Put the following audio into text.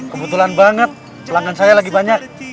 kebetulan banget pelanggan saya lagi banyak